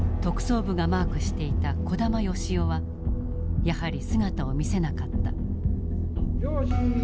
特捜部がマークしていた児玉誉士夫はやはり姿を見せなかった。